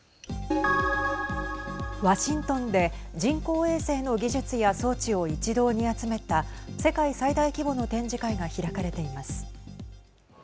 ワシントンで人工衛星の技術や装置を一堂に集めた世界最大規模の展示会が開かれています。